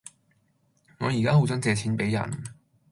我依家好想借錢俾人